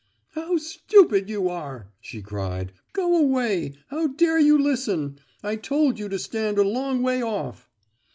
"How stupid you are," she cried; "go away. How dare you listen? I told you to stand a long way off!"